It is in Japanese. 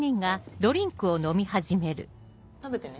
食べてね。